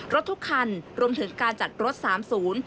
รถทุกคันรวมถึงการจัดรถสามศูนย์